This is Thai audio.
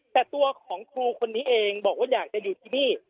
แต่ตัวของครูคนนี้เองบอกว่าอยากจะอยู่ที่นี่